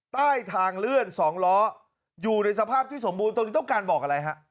ใต้ทางเลื่อน๒ล้ออยู่ในสภาพที่สมบูรณ์ตรงนี้ต้องการบอกอะไรฮะ